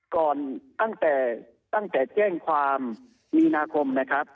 ก่อนตั้งแต่แจ้งความมีนาคมนะครับ